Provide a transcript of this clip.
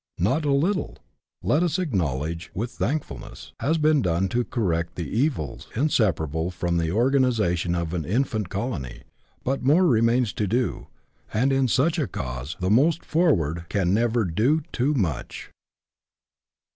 Not a little, let us ac knowledge with thankfulness, has been done to correct the evils inseparable from the organization of an infant colony, but more remains to do, and in such a cause the most forward can never do too much.